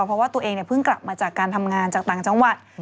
เพราะว่าตัวเองเพิ่งกลับมาจากการทำงานจากต่างจังหวัด